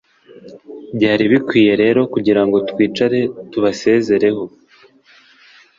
byari bikwiye rero kugirango twicare tubasezereho